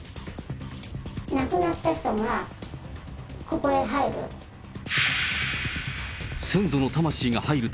亡くなった人がここへ入る。